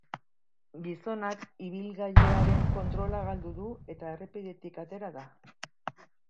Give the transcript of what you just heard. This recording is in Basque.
Gizonak ibilagiluaren kontrola galdu du eta errepidetik atera da.